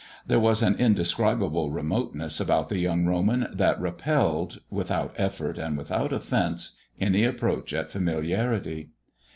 There was an indescribable remoteness about the young Roman that repelled, without effort and without offence, any approach at familiarity.